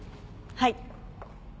はい。